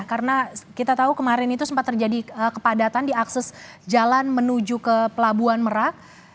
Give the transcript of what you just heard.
karena kita tahu kemarin itu sempat terjadi kepadatan di akses jalan menuju ke pelabuhan merah